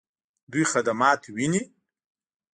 دوی خدمات ویني؟